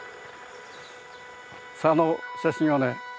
あの写真はね